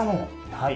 はい。